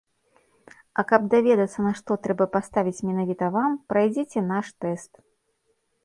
А каб даведацца, на што трэба паставіць менавіта вам, прайдзіце наш тэст.